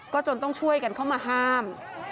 จนต้องช่วยกันเข้ามาห้าม